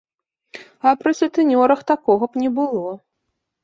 А пры сутэнёрах такога б не было.